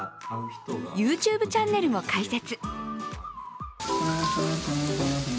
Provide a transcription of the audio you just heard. ＹｏｕＴｕｂｅチャンネルも開設。